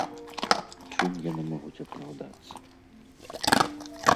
Чым яны могуць апраўдацца?